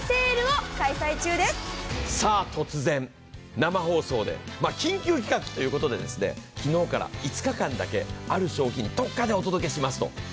生放送で緊急企画ということで、昨日から５日間だけである商品、特価でお届けしますと。